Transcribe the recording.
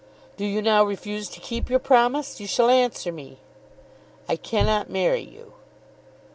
"Do you now refuse to keep your promise? You shall answer me." "I cannot marry you."